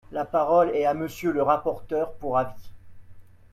La parole est à Monsieur le rapporteur pour avis.